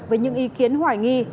với những ý kiến hoài nghi